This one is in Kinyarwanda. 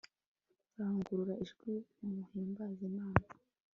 Rangurura ijwi muhimbaze Imana